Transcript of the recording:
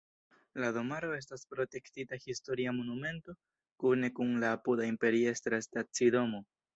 La domaro estas protektita historia monumento kune kun la apuda imperiestra stacidomo.